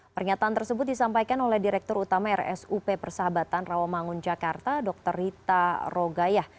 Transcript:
pernyataan tersebut disampaikan oleh direktur utama rsup persahabatan rawamangun jakarta dr rita rogayah